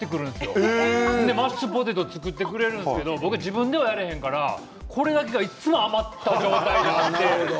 毎回マッシュポテトを作ってくれるんですけど僕は自分ではやらないからこれだけがいつも余った状態で。